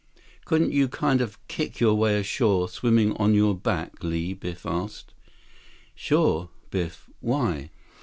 "Couldn't you kind of kick your way ashore, swimming on your back, Li?" Biff asked. "Sure, Biff. Why?"